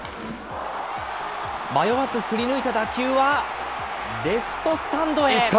迷わず振り抜いた打球はレフトスタンドへ。